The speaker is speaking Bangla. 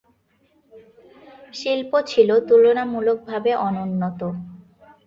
শিল্প ছিল তুলনামূলকভাবে অনুন্নত।